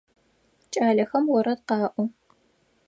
Кӏалэхэм орэд къаӏо.